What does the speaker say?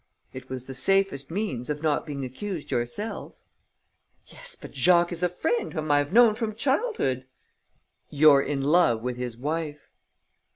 "It was the safest means of not being accused yourself." "Yes, but Jacques is a friend whom I have known from childhood." "You're in love with his wife."